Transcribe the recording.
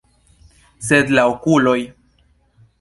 Sed la okuloj!